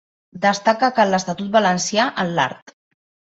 Destaca que en l'Estatut valencià, en l'art.